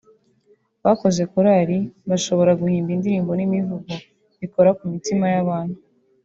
bakoze korari bashobora guhimba indirimbo n’imivugo bikora ku mitima y’abantu